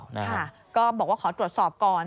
ค่ะก็บอกว่าขอตรวจสอบก่อน